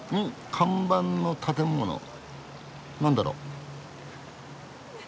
看板の建物なんだろう？